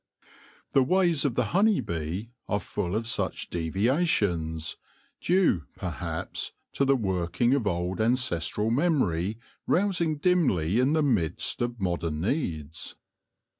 The ways of the honey bee are full of such devia tions, due, perhaps, to the working of old ancestral THE COMMONWEALTH OF THE HIVE 55 memory rousing dimly in the midst of modern needs.